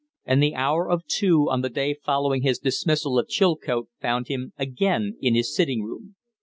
And the hour of two on the day following his dismissal of Chilcote found him again in his sitting room.